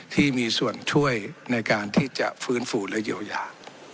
ที่มีส่วนช่วยในการที่จะฟื้นฟูและเยียวยา